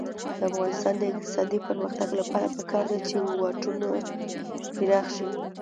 د افغانستان د اقتصادي پرمختګ لپاره پکار ده چې واټونه پراخ شي.